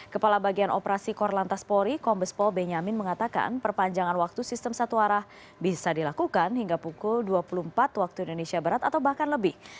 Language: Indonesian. kepala bagian operasi korlantas polri kombespol benyamin mengatakan perpanjangan waktu sistem satu arah bisa dilakukan hingga pukul dua puluh empat waktu indonesia barat atau bahkan lebih